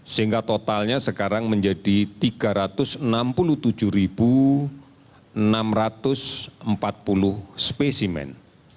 sehingga totalnya sekarang menjadi tiga ratus enam puluh tujuh enam ratus empat puluh spesimen